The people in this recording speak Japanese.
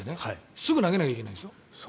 すぐ投げなきゃいけないんですよ。